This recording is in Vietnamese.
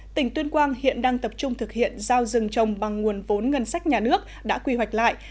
tỉnh tuyên quang hiện đang tập trung thực hiện giao rừng trồng bằng nguồn vốn ngân sách nhà nước đã quy hoạch lại